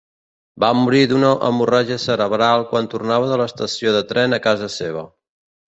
Va morir d'una hemorràgia cerebral quan tornava de l'estació de tren a casa seva.